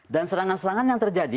dan serangan serangan yang terjadi